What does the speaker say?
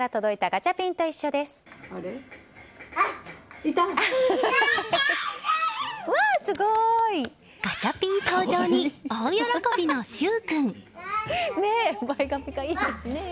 ガチャピン登場に大喜びの州君。